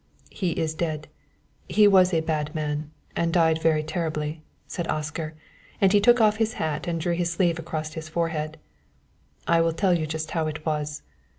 "He is dead; he was a bad man, and died very terribly," said Oscar, and he took off his hat and drew his sleeve across his forehead. "I will tell you just how it was.